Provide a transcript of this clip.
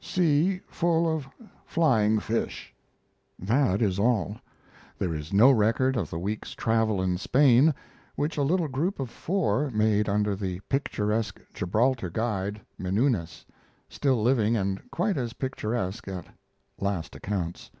Sea full of flying fish. That is all. There is no record of the week's travel in Spain, which a little group of four made under the picturesque Gibraltar guide, Benunes, still living and quite as picturesque at last accounts.